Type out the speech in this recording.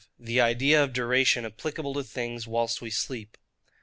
The Idea of Duration applicable to Things whilst we sleep.